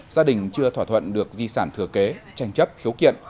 gia đình chưa thỏa thuận được di sản thừa kế tranh chấp khiếu kiện